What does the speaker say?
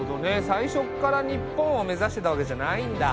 最初から日本を目指してたわけじゃないんだ。